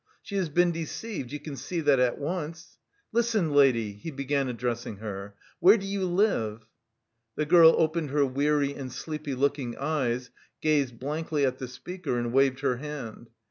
She has been deceived, you can see that at once. Listen, lady," he began addressing her, "where do you live?" The girl opened her weary and sleepy looking eyes, gazed blankly at the speaker and waved her hand.